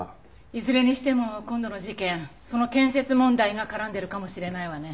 いずれにしても今度の事件その建設問題が絡んでるかもしれないわね。